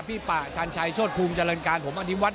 พี่ป่าชันชัยโชธภูมิจรรยาการ